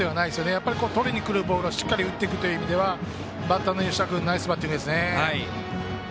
やっぱり取りにくるボールはしっかり打っていくという意味でバッターの吉田君ナイスバッティングですね。